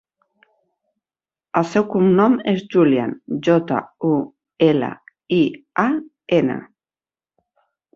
El seu cognom és Julian: jota, u, ela, i, a, ena.